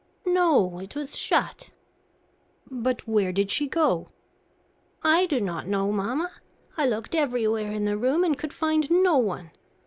"No, it was shut." "But where did she go?" "I do not know, mamma. I looked everywhere in the room and could find no one.